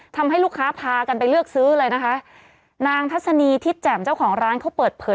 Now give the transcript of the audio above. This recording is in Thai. ทำให้ลูกค้าพากันไปเลือกซื้อเลยนะคะนางทัศนีทิศแจ่มเจ้าของร้านเขาเปิดเผย